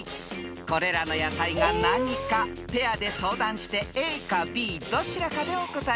［これらの野菜が何かペアで相談してＡかＢどちらかでお答えください］